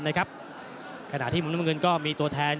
ขณะที่มุมน้ำเงินก็มีตัวแทน